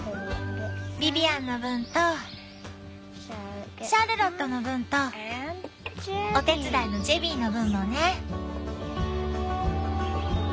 ビビアンの分とシャルロットの分とお手伝いのジェビーの分もね。